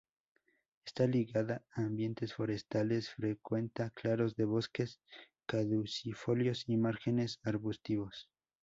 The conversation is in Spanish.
Está ligada a ambientes forestales: frecuenta claros de bosques caducifolios y márgenes arbustivos.